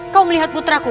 kau melihat putraku